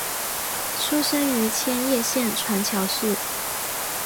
出身于千叶县船桥市。